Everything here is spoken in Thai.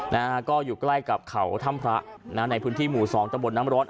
นะฮะก็อยู่ใกล้กับเขาถ้ำพระนะฮะในพื้นที่หมู่สองตะบนน้ำร้อน